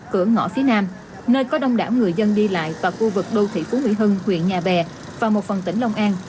cửa ngõ phía nam nơi có đông đảo người dân đi lại và khu vực đô thị phú mỹ hưng huyện nhà bè và một phần tỉnh long an